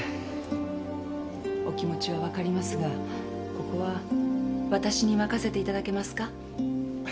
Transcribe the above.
お気持ちは分かりますがここはわたしに任せていただけますか？